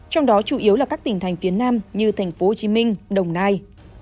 trong đó chủ yếu là các tỉnh thành phía nam như thành phố hồ chí minh đồng nai